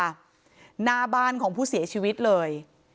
หน้าบ้านของผู้เสียชีวิตเลย